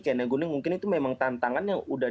kaya naik gunung mungkin itu memang tantangan yang udah